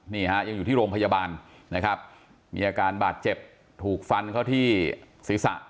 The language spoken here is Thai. นี้ยังอยู่ที่โรงพยาบาลมีอาการบาดเจ็บถูกฟันเขาที่ศิษย์สะ